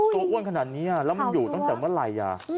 อ้วนขนาดนี้แล้วมันอยู่ตั้งแต่เมื่อไหร่